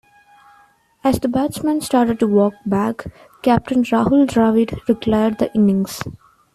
As the batsman started to walk back, captain Rahul Dravid declared the innings.